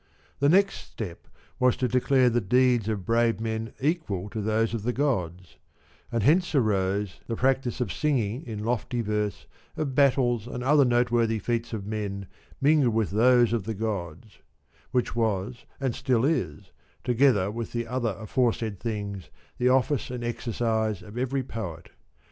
The next step was to declare the deeds of brave men equal to those of the gods ; and hence arose the practice of singing in lofty verse of battles and other noteworthy feats of men mingled with those of the gods ; which was and still is, together with the other aforesaid things, the office and exercise of every poet.